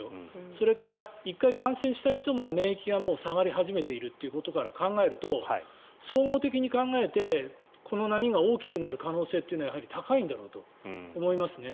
それから、１回感染した人も免疫が下がり始めているということから考えると総合的に考えてこの波が大きくなる可能性はやはり高いんだろうと思いますね。